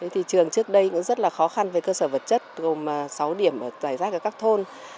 trường trước đây cũng rất khó khăn với cơ sở vật chất gồm sáu điểm giải rác các thôn